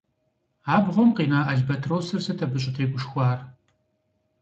Абгъуэм къина албатросыр сыт абы щӀытегушхуар?